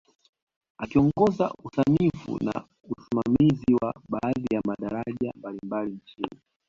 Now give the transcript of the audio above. Akiongoza usanifu na usimamizi wa baadhi ya madaraja mbalimbali nchini